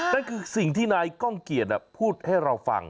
นั่นคือสิ่งที่นายก้องเกียจพูดให้เราฟัง